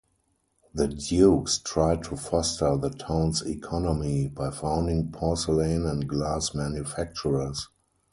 The dukes tried to foster the town's economy by founding porcelain and glass manufactures.